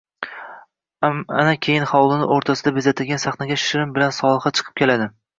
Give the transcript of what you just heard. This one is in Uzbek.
Ana keyin xovlini urtasida bezatilgan saxnaga Shirin bilan solixa chiqib keladi